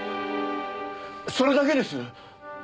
それだけです！